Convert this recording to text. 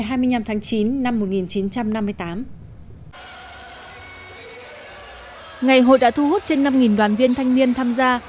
ngày hội đã thu hút trên năm đoàn viên thanh niên tham gia